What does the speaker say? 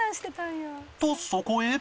とそこへ